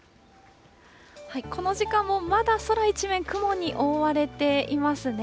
この時間もまだ空一面、雲に覆われていますね。